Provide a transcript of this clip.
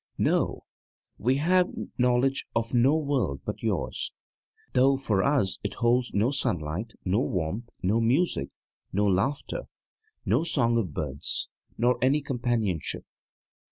No, we have knowledge of no world but yours, though for us it holds no sunlight, no warmth, no music, no laughter, no song of birds, nor any companionship.